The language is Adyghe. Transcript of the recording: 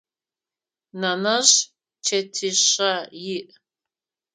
Нэнэжъ чэтишъэ иӏ.